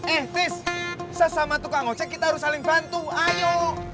eh tis sesama tukang ojek kita harus saling bantu ayo